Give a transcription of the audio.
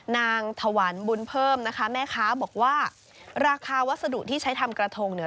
นางถวันบุญเพิ่มนะคะแม่ค้าบอกว่าราคาวัสดุที่ใช้ทำกระทงเนี่ย